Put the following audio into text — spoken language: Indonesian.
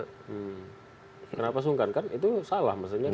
hmm kenapa sungkan kan itu salah maksudnya kan